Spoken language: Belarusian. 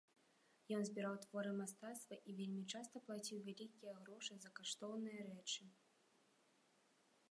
Ён збіраў творы мастацтва і вельмі часта плаціў вялікія грошы за каштоўныя рэчы.